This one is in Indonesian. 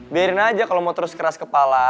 biarin aja kalau mau terus keras kepala